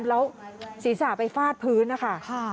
แล้วศีรษะไปฟาดพื้นนะคะ